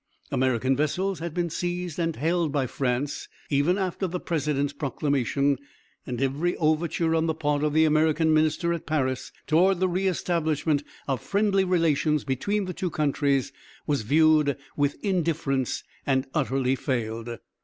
American vessels had been seized and held by France even after the president's proclamation, and every overture on the part of the American minister at Paris toward the re establishment of friendly relations between the two countries was viewed with indifference and utterly failed.